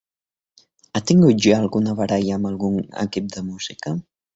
Ha tingut ja alguna baralla amb algun equip de música?